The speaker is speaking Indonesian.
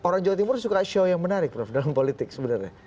orang jawa timur suka show yang menarik prof dalam politik sebenarnya